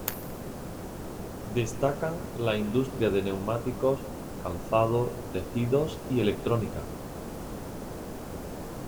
Destacan la industria de neumáticos, calzado, tejidos y electrónica.